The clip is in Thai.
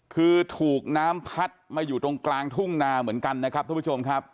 คือถูกน้ำพัดมาอยู่ตรงกลางทุ่งนาเหมือนกันนะครับทุกผู้ชมครับ